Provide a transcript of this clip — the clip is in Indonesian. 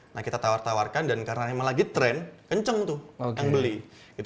nah kita tawar tawarkan dan karena emang lagi tren kenceng tuh yang beli